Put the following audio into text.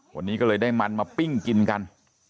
วันนี้ก็เลยได้มันมาปิ้งกินกัน